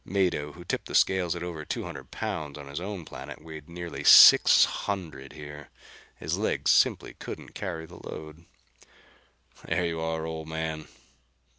Mado, who tipped the scales at over two hundred pounds on his own planet, weighed nearly six hundred here. His legs simply couldn't carry the load! "There you are, old man."